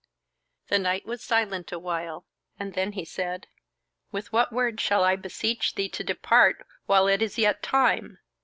The knight was silent awhile, and then he said: "With what words shall I beseech thee to depart while it is yet time?